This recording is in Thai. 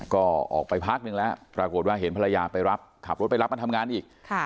ก็ออกไปพักนึงแล้วปรากฏว่าเห็นภรรยาไปรับขับรถไปรับมาทำงานอีก